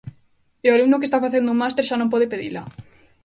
E o alumno que está facendo un máster xa non pode pedila.